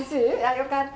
よかった。